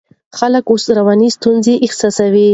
خلک اوس رواني ستونزې احساسوي.